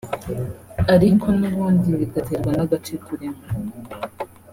ariko n’ubundi bigaterwa n’agace urimo